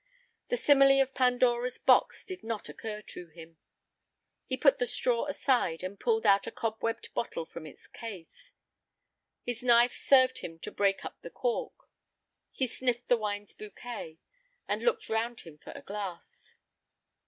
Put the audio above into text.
The simile of Pandora's box did not occur to him. He put the straw aside, and pulled out a cobwebbed bottle from its case. His knife served him to break up the cork; he sniffed the wine's bouquet, and looked round him for a glass.